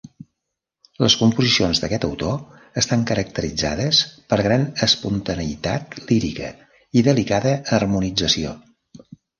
Les composicions d'aquest autor estan caracteritzades per gran espontaneïtat lírica i delicada harmonització.